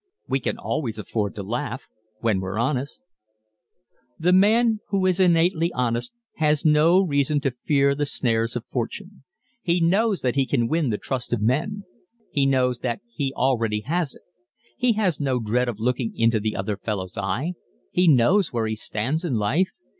We can always afford to laugh when we're honest. The man who is innately honest has no reason to fear the snares of fortune. He knows that he can win the trust of men; he knows that he already has it. He has no dread of looking into the other fellow's eye. He knows where he stands in life.